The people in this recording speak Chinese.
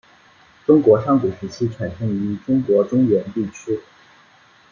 中国上古时期产生于中国中原地区。